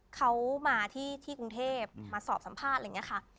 เขามาที่กรุงเทพมาสอบสัมภาษณ์อะไรอย่างนี้ค่ะ